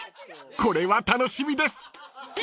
これは楽しみです］